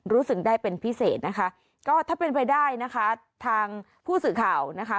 รู้สึกได้เป็นพิเศษนะคะก็ถ้าเป็นไปได้นะคะทางผู้สื่อข่าวนะคะ